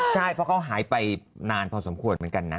ใช่เพราะเขาหายไปนานพอสมควรเหมือนกันนะ